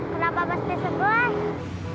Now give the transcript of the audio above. kenapa pasti sebuah